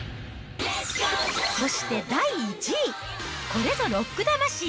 そして第１位、これぞロック魂！